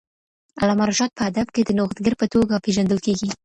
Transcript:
علامه رشاد په ادب کې د نوښتګر په توګه پېژندل کېږي.